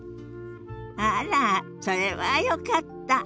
あらそれはよかった。